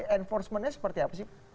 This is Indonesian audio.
enforcementnya seperti apa sih